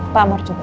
pak amar juga